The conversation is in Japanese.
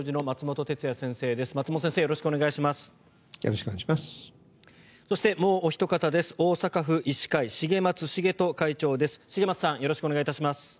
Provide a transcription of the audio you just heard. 松本先生よろしくお願いします。